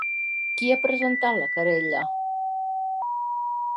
Qui ha presentat la querella?